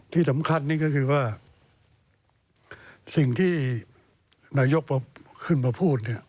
ที่สำคัญนี่ก็คือว่าสิ่งที่นายกขึ้นมาพูดเนี่ย